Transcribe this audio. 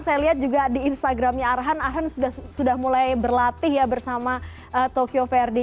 saya lihat juga di instagramnya arhan arhan sudah mulai berlatih ya bersama tokyo verde